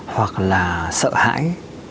hoặc là sợ hãi